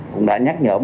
cũng đã nhắc nhở